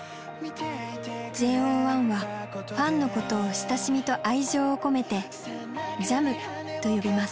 ＪＯ１はファンのことを親しみと愛情を込めてＪＡＭと呼びます。